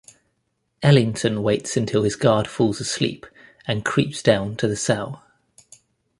Ellington waits until his guard falls asleep and creeps down to the cell.